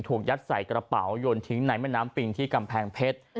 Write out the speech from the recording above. ถูกยัดใส่กระเป๋าโยนทิ้งในแม่น้ำปิงที่กำแพงเพชร